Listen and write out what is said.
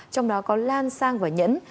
trong đó có lan sang và nhẫn